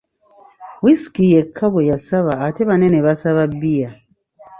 Whisky yekka gwe yasaba ate banne nebasaba bbiya.